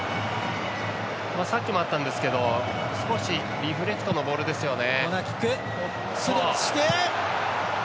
さっきもあったんですけど少しリフレクトのボールですよね。